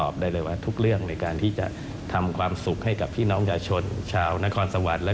ความว่าเป็นทีมมีทุกภาพส่วนในจังหวัดได้ช่วยโด